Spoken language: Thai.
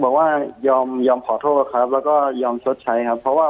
บอกว่ายอมยอมขอโทษครับแล้วก็ยอมชดใช้ครับเพราะว่า